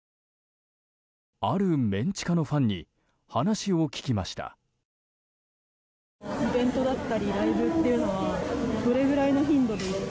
あるメン地下のファンに話を聞きました。